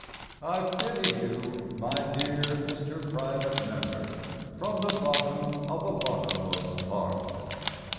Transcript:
I pity you, my dear Mr. Private Member, From the bottom of a bottomless heart.